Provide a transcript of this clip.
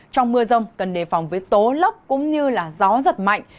trong mưa rông cần đề phòng với tố lốc cũng như gió giật mạnh